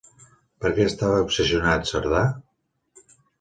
Per què estava obsessionat Cerdà?